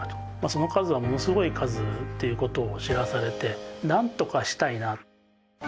その数はものすごい数っていうことを知らされて何とかしたいな。